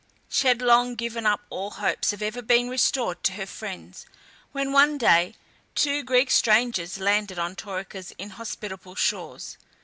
She had long given up all hopes of ever being restored to her friends, when one day two Greek strangers landed on Taurica's inhospitable shores.